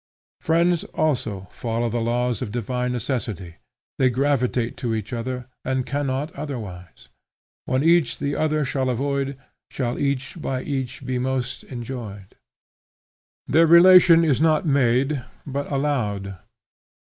Friends also follow the laws of divine necessity; they gravitate to each other, and cannot otherwise: When each the other shall avoid, Shall each by each be most enjoyed. Their relation is not made, but allowed.